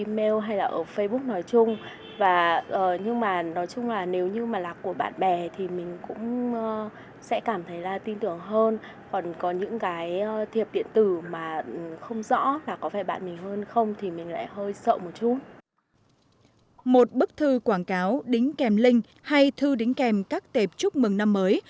một bức thư quảng cáo đính kèm link hay thư đính kèm các tệp chúc mừng năm mới